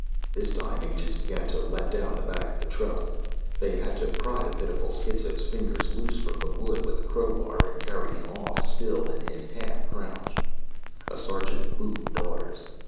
This time, agents began to let down the back of the truck. They had to pry the pitiful schizo's fingers loose from the wood with a crow bar and carry him off, still in his half crouch. A sergeant boomed orders.